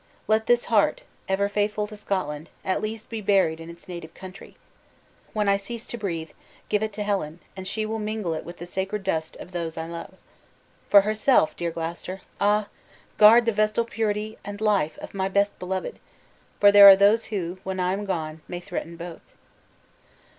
Let this heart, ever faithful to Scotland, be at least buried in its native country. When I cease to breathe, give it to Helen, and she will mingle it with the sacred dust of those I love. For herself, dear Gloucester! ah! guard the vestal purity and life of my best beloved! for there are those who, when I am gone, may threaten both."